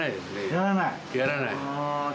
やらない。